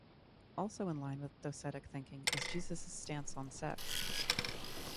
Also in line with docetic thinking is Jesus' stance on sex.